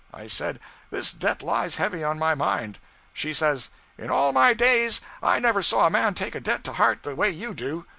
I said, "This debt lies heavy on my mind." She says, "In all my days I never saw a man take a debt to heart the way you do."